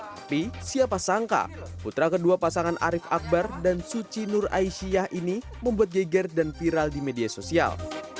tapi siapa sangka putra kedua pasangan arief akbar dan suci nur aisyah ini membuat geger dan viral di media sosial